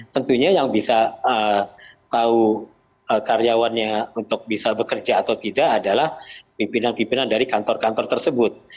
tentunya yang bisa tahu karyawannya untuk bisa bekerja atau tidak adalah pimpinan pimpinan dari kantor kantor tersebut